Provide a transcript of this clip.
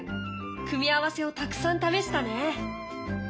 組み合わせをたくさん試したね。